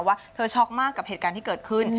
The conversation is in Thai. ว่าเธอช็อกมากกับเหตุการณ์ที่เกิดขึ้น